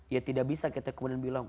ya tidak bisa kita kemudian bilang